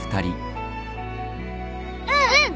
うん。